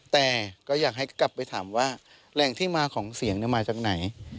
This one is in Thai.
แต่ก็อยากให้กลับไปถามว่าแหล่งที่มาของเสียงมาจากไหน